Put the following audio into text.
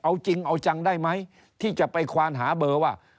เอาจริงเอาจังได้ไหมที่จะไปควานหาเบอร์ว่า